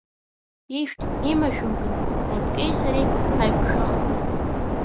Ишәҭ, имашәымкын, Раԥкеи сареи ҳаиқәшәахуеит!